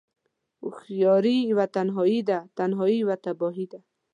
هوشیاری یوه تنهایی ده، تنهایی یوه تباهی ده